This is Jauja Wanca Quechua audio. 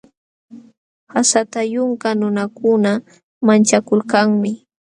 Qasata yunka nunakuna manchakulkanmi.